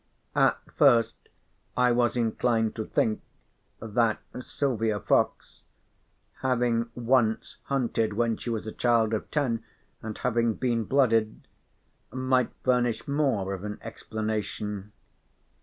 At first I was inclined to think that Silvia Fox, having once hunted when she was a child of ten and having been blooded, might furnish more of an explanation.